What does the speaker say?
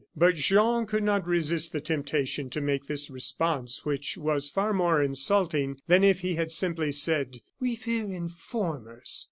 But Jean could not resist the temptation to make this response, which was far more insulting than if he had simply said: "We fear informers!"